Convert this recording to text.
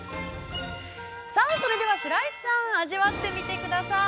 ◆さあ、それでは白石さん味わってみてください。